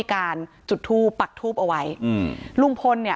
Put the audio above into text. การแก้เคล็ดบางอย่างแค่นั้นเอง